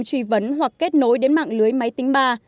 truy vấn hoặc kết nối đến mạng lưới máy tính ba